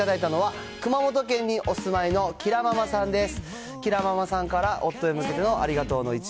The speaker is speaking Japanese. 今回、お写真を頂いたのは、熊本県にお住まいのキラママさんです。